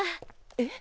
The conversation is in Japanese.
えっ？